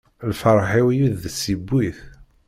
Lferḥ-iw yid-s yewwi-t.